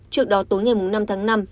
trước đó tối ngày năm tháng năm